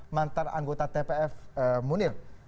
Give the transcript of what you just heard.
mantan anggota tpf munir